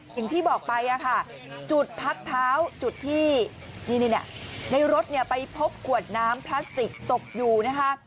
อย่างที่บอกไปค่ะจุดพักเท้าจุดที่ในรถไปพบขวดน้ำพลาสติกตกอยู่นะคะ